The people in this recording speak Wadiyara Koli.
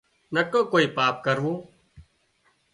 نڪو ڪوئي پاپ ڪرون